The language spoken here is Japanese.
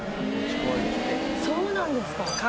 そうなんですか。